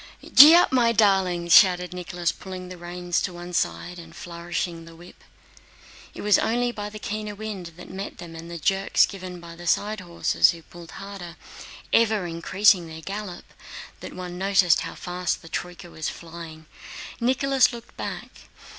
"Gee up, my darlings!" shouted Nicholas, pulling the reins to one side and flourishing the whip. It was only by the keener wind that met them and the jerks given by the side horses who pulled harder—ever increasing their gallop—that one noticed how fast the troyka was flying. Nicholas looked back.